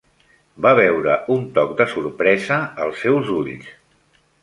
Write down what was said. Va veure un toc de sorpresa als seus ulls.